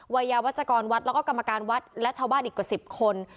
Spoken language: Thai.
วัยยาวัชกรวัดแล้วก็กรรมการวัดและชาวบ้านอีกกว่า๑๐คน